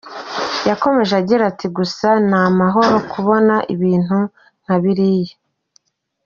Yakomeje agira ati “Gusa ni amahano kubona ibintu nka biriya.